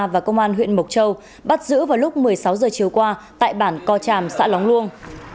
và công an huyện mộc châu bắt giữ vào lúc một mươi sáu giờ chiều qua tại bản co tràm xã lóng luông